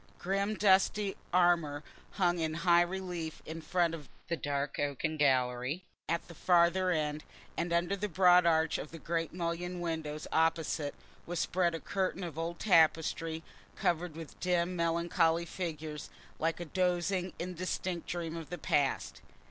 Grim dusty armour hung in high relief in front of the dark oaken gallery at the farther end, and under the broad arch of the great mullioned window opposite was spread a curtain of old tapestry, covered with dim melancholy figures, like a dozing indistinct dream of the past.